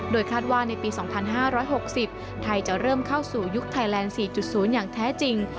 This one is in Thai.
คาดว่าในปี๒๕๖๐ไทยจะเริ่มเข้าสู่ยุคไทยแลนด์๔๐อย่างแท้จริง